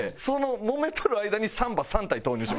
揉めとる間にサンバ３体投入します。